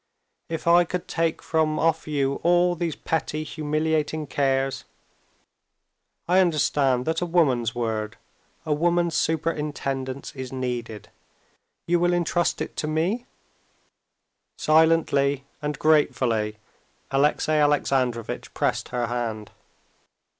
If I could take from off you all these petty, humiliating cares ... I understand that a woman's word, a woman's superintendence is needed. You will intrust it to me?" Silently and gratefully Alexey Alexandrovitch pressed her hand.